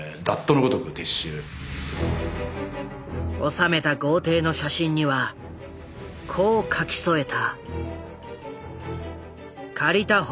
収めた豪邸の写真にはこう書き添えた。